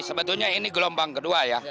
sebetulnya ini gelombang kedua ya